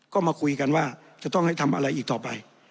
ก็มาคุยกันว่าจะต้องให้ทำอะไรอีกต่อไป